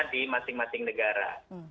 di masing masing negara